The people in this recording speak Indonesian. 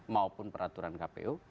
maupun peraturan kpu